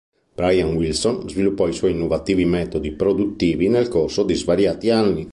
Brian Wilson sviluppò i suoi innovativi metodi produttivi nel corso di svariati anni.